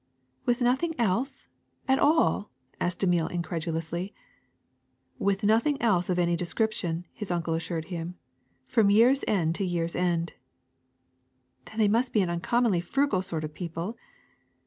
'' ^*With nothing else, at all?" asked Emile incred ulously. *^With nothing else of any description," his uncle assured him, ^^ from year 's end to year 's end. ''^^ Then they must be an uncommonly frugal sort of people."